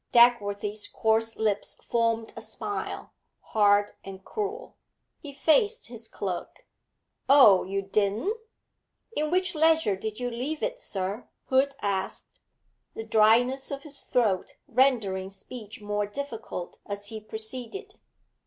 Dagworthy's coarse lips formed a smile, hard and cruel. He faced his clerk. 'Oh, you didn't?' 'In which ledger did you leave it, sir?' Hood asked, the dryness of his throat rendering speech more difficult as he proceeded.